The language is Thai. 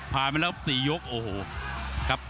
ผ่านไปแล้วสี่ยกโอ้โห